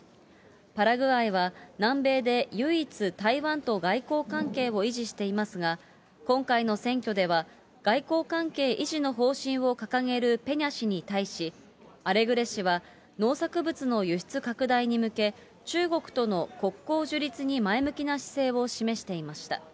パラグアイは南米で唯一台湾と外交関係を維持していますが、今回の選挙では、外交関係維持の方針を掲げるペニャ氏に対し、アレグレ氏は農作物の輸出拡大に向け、中国との国交樹立に前向きな姿勢を示していました。